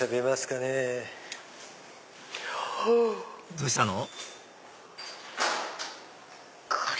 どうしたの？